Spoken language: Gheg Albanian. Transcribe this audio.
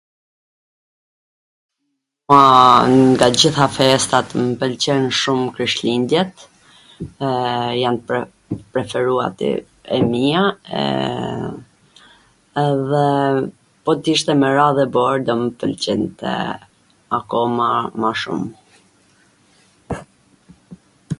Aaa, nga t gjitha festat m pwlqen shum Krishtlindjet, eee jan t preferuarat e mia, e edhe po t ishte me ra dhe bor do m pwlqente akoma ma shum